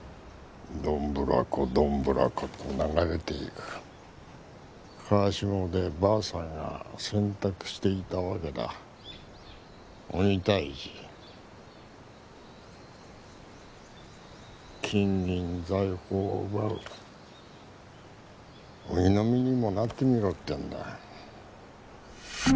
どんぶらこどんぶらこと流れていく川下でばあさんが洗濯していたわけだ鬼退治金銀財宝を奪う鬼の身にもなってみろってんだ